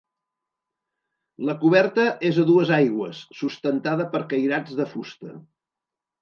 La coberta és a dues aigües, sustentada per cairats de fusta.